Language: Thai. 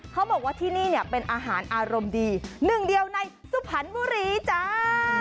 เขาบอกว่าที่นี่เนี่ยเป็นอาหารอารมณ์ดีหนึ่งเดียวในสุพรรณบุรีจ้า